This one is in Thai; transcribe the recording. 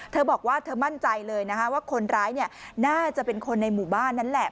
เธอบอกว่าเธอมั่นใจเลยนะคะว่าคนร้ายน่าจะเป็นคนในหมู่บ้านนั่นแหละ